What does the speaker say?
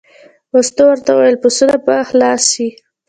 مستو ورته وویل: پسونه به خلاص شي.